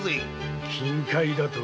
金塊だと？